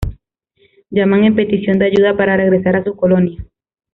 Llaman en petición de ayuda para regresar a su colonia.